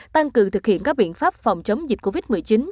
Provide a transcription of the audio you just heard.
tăng cường thực hiện các biện pháp phòng chống dịch covid một mươi chín